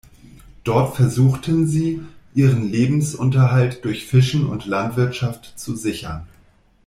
Dort versuchten sie, ihren Lebensunterhalt durch Fischen und Landwirtschaft zu sichern.